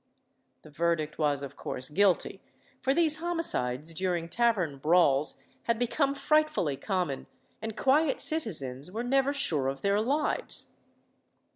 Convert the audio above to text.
The verdict was of course "Guilty," for these homicides during tavern brawls had become frightfully common, and quiet citizens were never sure of their lives.